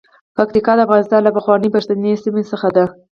پکتیکا د افغانستان له پخوانیو پښتني سیمو څخه ده.